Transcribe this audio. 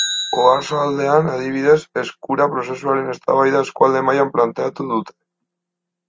Oarsoaldean, adibidez, Eskura prozesuaren eztabaida eskualde mailan planteatu dute.